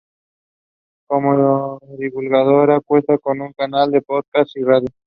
Como divulgadora, cuenta con un canal de podcast y radio.